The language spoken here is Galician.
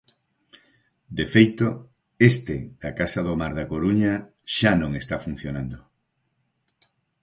De feito, este da Casa do Mar da Coruña xa non está funcionando.